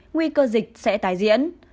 nguy cơ dịch sẽ tái diễn